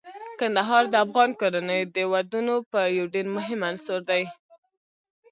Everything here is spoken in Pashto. کندهار د افغان کورنیو د دودونو یو ډیر مهم عنصر دی.